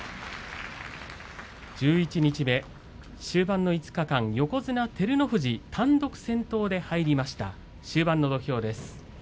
十一日目、終盤の５日間横綱照ノ富士が単独先頭です。